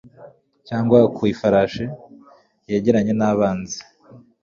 cyangwa ku ifarashi, yegeranye nabanzi